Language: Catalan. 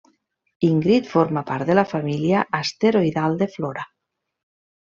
Ingrid forma part de la família asteroidal de Flora.